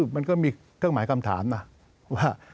มันก็มีเครื่องหมายคำถามนะว่า